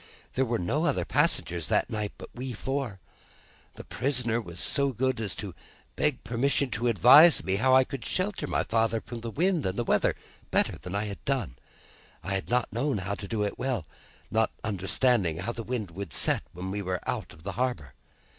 There were no other passengers that night, but we four. The prisoner was so good as to beg permission to advise me how I could shelter my father from the wind and weather, better than I had done. I had not known how to do it well, not understanding how the wind would set when we were out of the harbour.